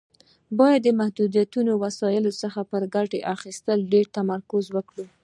باید له محدودو وسایلو څخه پر ګټې اخیستنې ډېر تمرکز وکړي.